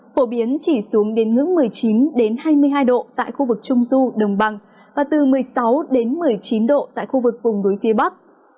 phổ biến chỉ xuống đến ngưỡng một mươi chín hai mươi hai độ tại khu vực trung du đồng bằng và từ một mươi sáu đến một mươi chín độ tại khu vực vùng núi phía bắc